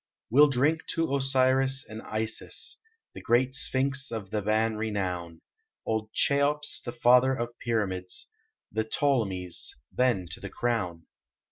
We ll drink to Osiris and Isis The great Sphinx of Theban renown, Old Cheops, the father of pyramids, The Ptolemies, then to the crown.